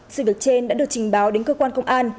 sự việc trên đã được trình báo đến cơ quan công an